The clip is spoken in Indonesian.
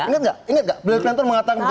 ingat nggak belakang pintar mengatakan itu